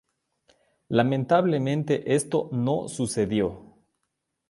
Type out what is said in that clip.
Lamentablemente, esto no sucedió.